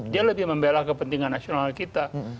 dia lebih membela kepentingan nasional kita